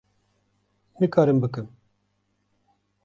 Nikarim bikim.